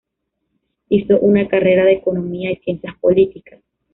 Hizo una carrera de economía y ciencias políticas.